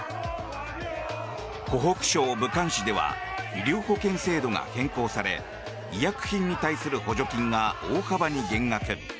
湖北省武漢市では医療保険制度が変更され医薬品に対する補助金が大幅に減額。